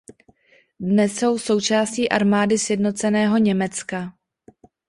Dnes jsou součástí armády sjednoceného Německa.